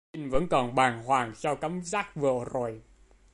Chinh vẫn còn bàng hoàng sau cảm giác vừa rồi